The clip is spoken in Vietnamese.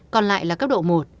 còn lại là cấp độ một